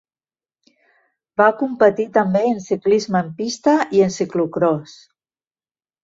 Va competir també en ciclisme en pista i en ciclocròs.